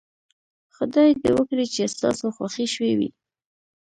خدای دې وکړي چې ستاسو خوښې شوې وي.